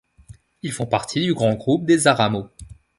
Ils font partie du grand groupe des Zaramo.